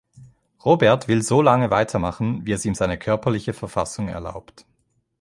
Robert will so lange weitermachen, wie es ihm seine körperliche Verfassung erlaubt.